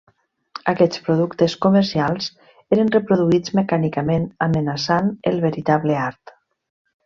Aquests productes comercials eren reproduïts mecànicament amenaçant el veritable art.